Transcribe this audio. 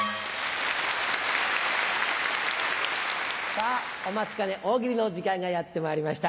さぁお待ちかね大喜利の時間がやってまいりました。